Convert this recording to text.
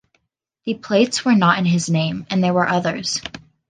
The plates were not in his name, and there were others.